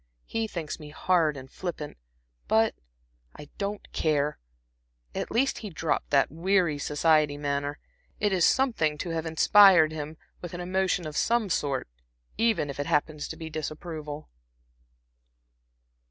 He thinks me hard and flippant, but I don't care. At least he dropped that weary, society manner. It is something to have inspired him with an emotion of some sort, even if it happens to be disapproval."